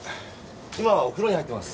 今はお風呂に入ってます。